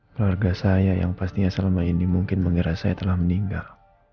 keluarga saya yang pastinya selama ini mungkin mengira saya telah meninggal